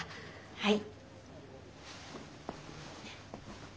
はい。